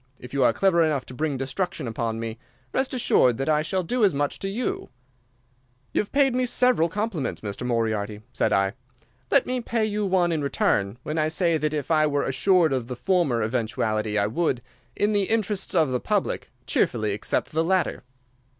If you are clever enough to bring destruction upon me, rest assured that I shall do as much to you.' "'You have paid me several compliments, Mr. Moriarty,' said I. 'Let me pay you one in return when I say that if I were assured of the former eventuality I would, in the interests of the public, cheerfully accept the latter.